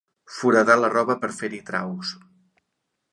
Foradar la roba per fer-hi traus.